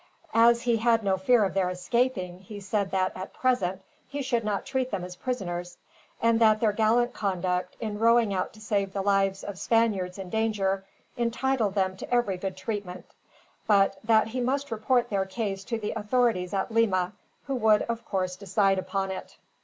As he had no fear of their escaping he said that, at present, he should not treat them as prisoners; and that their gallant conduct, in rowing out to save the lives of Spaniards in danger, entitled them to every good treatment; but that he must report their case to the authorities at Lima, who would of course decide upon it.